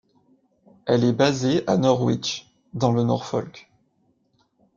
Elle est basée à Norwich dans le Norfolk.